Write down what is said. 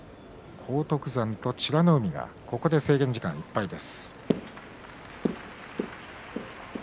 荒篤山と美ノ海はここで制限時間いっぱいです。